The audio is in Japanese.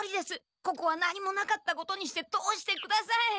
ここは何もなかったことにして通してください。